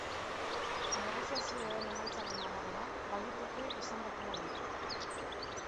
Negoziazioen emaitzaren arabera, baliteke esandakoa egitea.